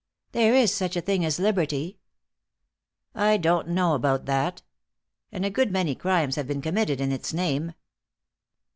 "There is such a thing as liberty." "I don't know about that. And a good many crimes have been committed in its name."